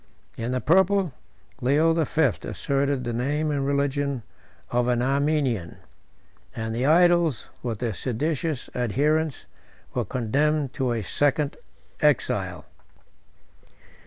In the purple, Leo the Fifth asserted the name and religion of an Armenian; and the idols, with their seditious adherents, were condemned to a second exile.